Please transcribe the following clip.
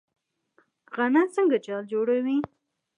غڼه څنګه جال جوړوي؟